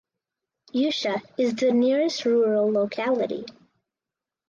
Yusha is the nearest rural locality.